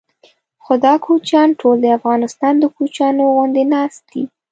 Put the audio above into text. خو دا کوچیان ټول د افغانستان د کوچیانو غوندې ناست دي.